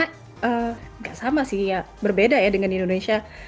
tapi nggak sama sih ya berbeda ya dengan indonesia